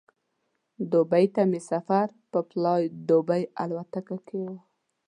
دوبۍ ته مې سفر په فلای دوبۍ الوتکه کې و.